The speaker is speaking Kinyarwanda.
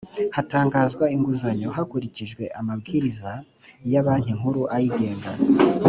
hatangwa inguzanyo hakurikijwe amabwiriza ya banki nkuru ayigenga